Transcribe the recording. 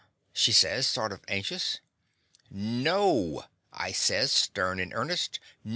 '* she says, sort of anxious. "No!" I says, stem in earnest.